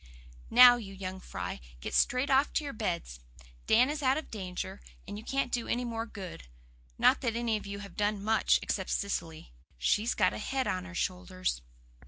Now, you young fry, get straight off to your beds. Dan is out of danger, and you can't do any more good. Not that any of you have done much, except Cecily. She's got a head of her shoulders."